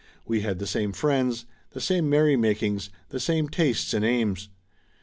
We had the same friends, the same merry makings, the same tastes and aims.